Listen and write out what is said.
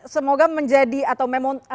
semoga menjadi atau